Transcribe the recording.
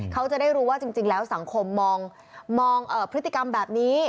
เขาจะได้รู้ว่าจริงแล้วสังคมมองพฤติกรรมแบบนี้